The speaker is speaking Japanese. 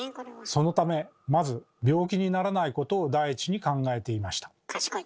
そのためまず「病気にならないこと」を第一に考えていました。